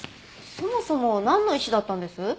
そもそもなんの石だったんです？